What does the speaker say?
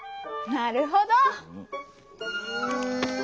なるほど！